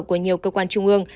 của nhiều cơ quan trung ương